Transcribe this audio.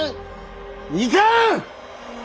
いかん！